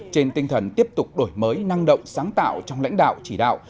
trên tinh thần tiếp tục đổi mới năng động sáng tạo trong lãnh đạo chỉ đạo